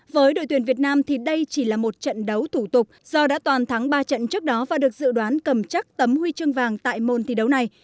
với đội tuyển việt nam thì đây chỉ là một trận đấu thủ tục do đã toàn thắng ba trận trước đó và được dự đoán cầm chắc tấm huy chương vàng tại môn thi đấu này